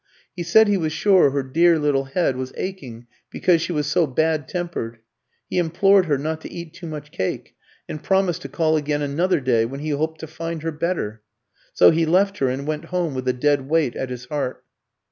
He said he was sure her dear little head was aching because she was so bad tempered; he implored her not to eat too much cake, and promised to call again another day, when he hoped to find her better. So he left her, and went home with a dead weight at his heart.